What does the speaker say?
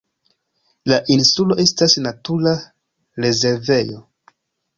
La insulo estas natura rezervejo.